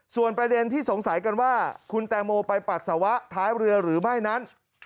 ส่วนประเด็นที่สงสัยกันว่าคุณแตงโมไปปัสสาวะท้ายเรือหรือไม่นั้น